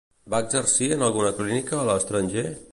Va exercir en alguna clínica a l'estranger?